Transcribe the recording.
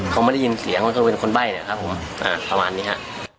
เขาไม่ได้ยินเสียงมันก็เป็นคนใบ้นะครับผมประมาณนี้ฮะ